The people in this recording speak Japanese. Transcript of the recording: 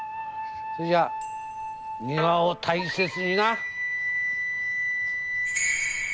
それじゃ庭を大切にな！